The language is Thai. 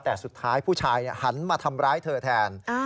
แต่สุดท้ายผู้ชายหันมาทำร้ายเธอแทน